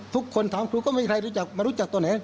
ทุกคนถามครูก็ไม่มีใครรู้จักมารู้จักตัวไหน